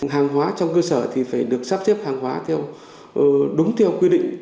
hàng hóa trong cơ sở thì phải được sắp xếp hàng hóa theo đúng theo quy định